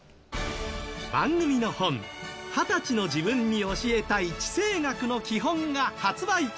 番組の本「２０歳の自分に教えたい地政学のきほん」が発売中。